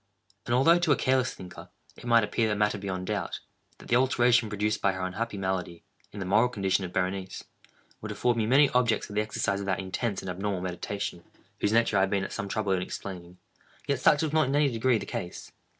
And although, to a careless thinker, it might appear a matter beyond doubt, that the alteration produced by her unhappy malady, in the moral condition of Berenice, would afford me many objects for the exercise of that intense and abnormal meditation whose nature I have been at some trouble in explaining, yet such was not in any degree the case.